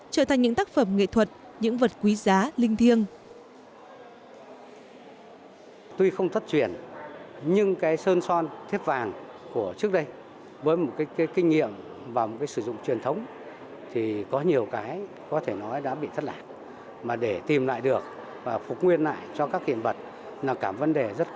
trở thành những tác phẩm nghệ thuật những vật quý giá linh thiêng